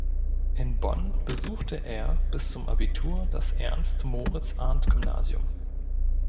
In Bonn besuchte er bis zum Abitur das Ernst-Moritz-Arndt-Gymnasium.